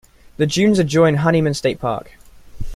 The dunes adjoin Honeyman State Park.